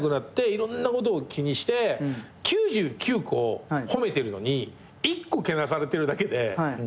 いろんなことを気にして９９個褒めてるのに１個けなされてるだけでそこに引っ張られるじゃない。